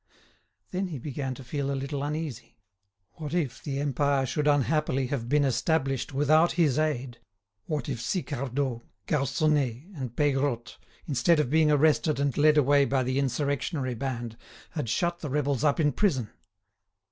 Then he began to feel a little uneasy. What if the Empire should unhappily have been established without his aid? What if Sicardot, Garconnet, and Peirotte, instead of being arrested and led away by the insurrectionary band, had shut the rebels up in prison?